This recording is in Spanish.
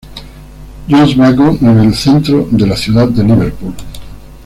John's Bacon en el centro de la ciudad de Liverpool.